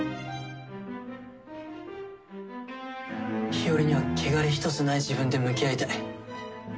日和には汚れ一つない自分で向き合いたい。